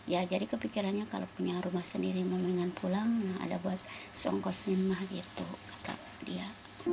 ya jadi kepikirannya kalau punya rumah sendiri mau bingung pulang ada buat songkosin mah gitu kata dia